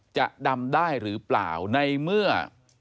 จะดำได้หรือเปล่าในเมื่อ